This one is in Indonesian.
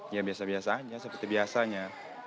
ya biasa biasanya seperti biasanya